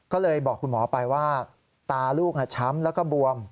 ก็เลยบอกคุณหมอไปว่าตาลูกช้ำแล้วก็บวม